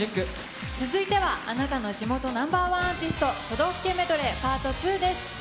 続いてはあなたの地元ナンバー１アーティスト、都道府県メドレーパート２です。